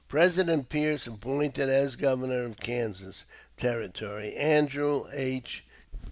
President Pierce appointed as Governor of Kansas Territory Andrew H.